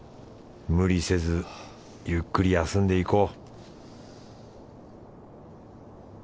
無理せずゆっくり休んでいこう